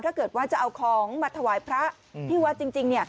ถ้าเกิดว่าจะเอาของมาถวายพระที่วัดจริง